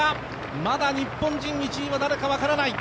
まだ日本人１位は誰か分からない。